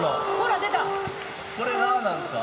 これラなんですか？